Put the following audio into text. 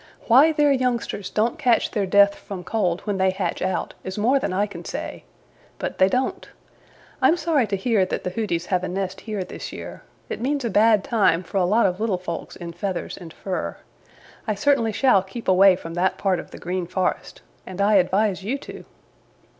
Why their youngsters don't catch their death from cold when they hatch out is more than I can say. But they don't. I'm sorry to hear that the Hooties have a nest here this year. It means a bad time for a lot of little folks in feathers and fur. I certainly shall keep away in from that part of the Green Forest, and I advise you to."